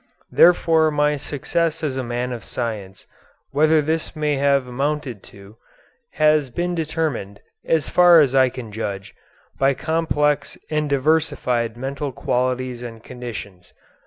Therefore my success as a man of science, whatever this may have amounted to, has been determined, as far as I can judge, by complex and diversified mental qualities and conditions.